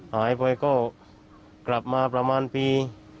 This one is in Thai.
หายไปก็กลับมาประมาณปี